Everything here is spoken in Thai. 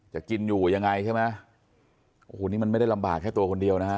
จะกินอยู่ยังไงใช่ไหมโอ้โหนี่มันไม่ได้ลำบากแค่ตัวคนเดียวนะฮะ